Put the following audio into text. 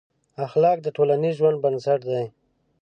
اخلاق د ټولنیز ژوند بنسټ دی.